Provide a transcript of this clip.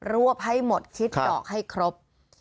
วบให้หมดคิดดอกให้ครบ